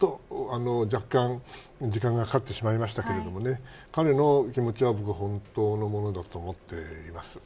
若干時間がかかってしまいましたが彼の気持ちは本当のものだと僕は思っています。